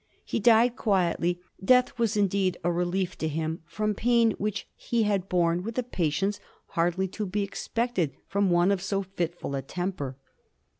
He died quietly; death was indeed a relief to him from pain which he had borne with a patience hardly to be expected from one of so fitful a temper.